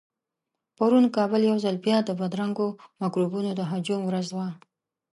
پرون کابل يو ځل بيا د بدرنګو مکروبونو د هجوم ورځ وه.